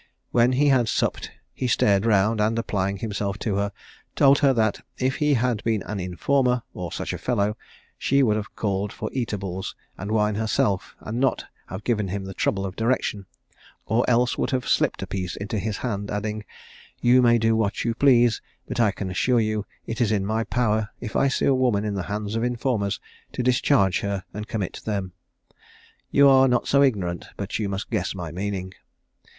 When he had supped he stared round, and applying himself to her, told her that if he had been an informer, or such a fellow, she would have called for eatables and wine herself, and not have given him the trouble of direction, or else would have slipped a piece into his hand; adding, 'You may do what you please; but I can assure you it is in my power, if I see a woman in the hands of informers, to discharge her, and commit them. You are not so ignorant but you must guess my meaning.'